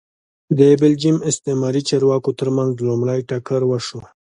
د بلجیم استعماري چارواکو ترمنځ لومړی ټکر وشو